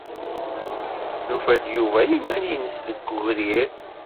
Nufa-d Yuba i yiman-nnes deg wegrir.